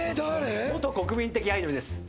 元国民的アイドルです。